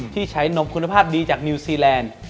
ที่ใช้นมคุณภาพดีจากนิวซีแลนด์